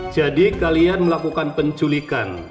jadi kalian melakukan penculikan